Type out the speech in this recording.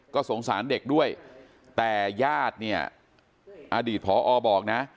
ก็สงสารเด็กด้วยแต่ญาติเนี่ยอดีตพอบอกนะ